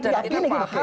dan kita paham